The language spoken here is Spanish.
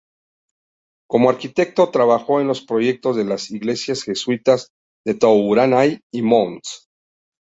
Como arquitecto, trabajó en los proyectos de las iglesias jesuitas de Tournai y Mons.